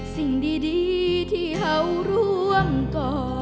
สิ่งดีที่เขาร่วงก่อ